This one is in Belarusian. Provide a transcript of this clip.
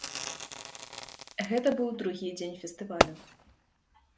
Гэта быў другі дзень фестывалю.